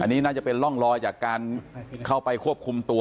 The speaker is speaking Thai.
อันนี้น่าจะเป็นร่องรอยจากการเข้าไปควบคุมตัว